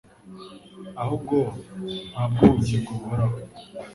ahubwo mpabwe ubugingo buhoraho.